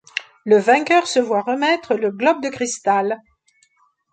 Le vainqueur se voit remettre le globe de cristal.